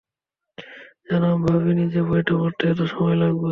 জানো, আমি ভাবিনি যে বইটা পড়তে এত সময় লাগবে।